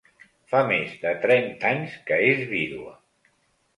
Fa més de trenta anys, que és vídua!